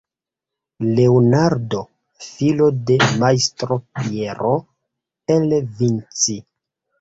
Leonardo, filo de majstro Piero, el Vinci.